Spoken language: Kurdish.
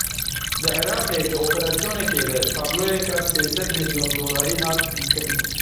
Li Iraqê di operasyonekê de tabloyeka sê sed milyon dolarî hat dîtin.